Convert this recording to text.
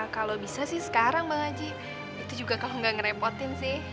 kalau bisa sih sekarang bang haji itu juga kalau nggak ngerepotin sih